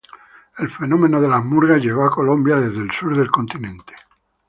El fenómeno de las murgas llegó a Colombia desde el sur del continente.